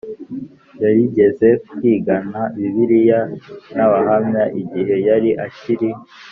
yarigeze kwigana Bibiliya n Abahamya igihe yari akiri